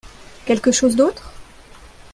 Quelque chose d'autre ?